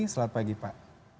selamat pagi pak